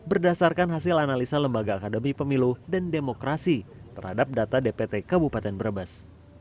berdasarkan hasil analisa lembaga akademi pemilu dan demokrasi terhadap data dpt kabupaten brebes